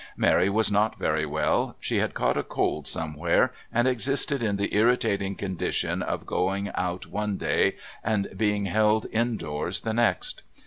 Mary was not very well; she had caught a cold somewhere, and existed in the irritating condition of going out one day and being held indoors the next.